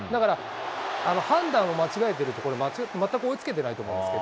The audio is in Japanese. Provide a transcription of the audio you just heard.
だから、判断を間違えてると、これ全く追いつけてないと思うんです、